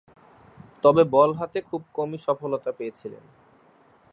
তবে বল হাতে খুব কমই সফলতা পেয়েছিলেন।